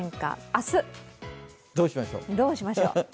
明日どうしましょう？